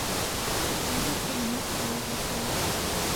岐阜県神戸町